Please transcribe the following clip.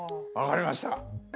分かりました。